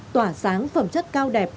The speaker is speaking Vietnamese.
tỏa sáng phẩm chất cao đẹp